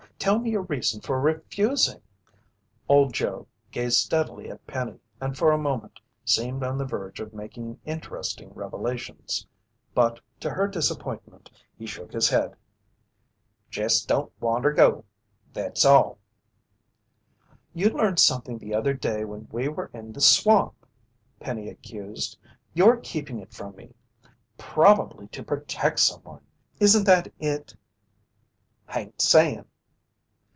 Tell me your reason for refusing." Old Joe gazed steadily at Penny and for a moment seemed on the verge of making interesting revelations. But to her disappointment, he shook his head. "Jest don't wanter go, thet's all." "You learned something the other day when we were in the swamp!" Penny accused. "You're keeping it from me probably to protect someone! Isn't that it?" "Hain't saying."